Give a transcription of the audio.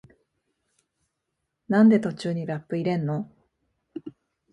なんで途中にラップ入れんの？